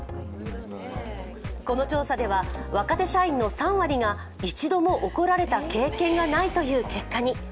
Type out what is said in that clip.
この調査では若手社員の３割が一度も怒られた経験がないという結果に。